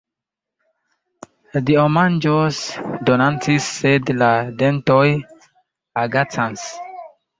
Dio manĝon donacis, sed la dentoj agacas.